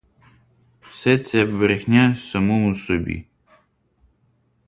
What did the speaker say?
Все це брехня самому собі!